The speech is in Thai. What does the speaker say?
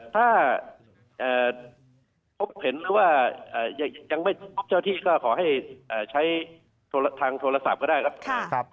ถ้าพบเห็นหรือว่ายังไม่เจ้าที่ก็ขอให้ใช้ทางโทรศัพท์ก็ได้ครับ